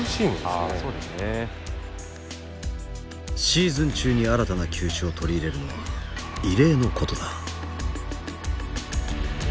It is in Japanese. シーズン中に新たな球種を取り入れるのは異例のことだ。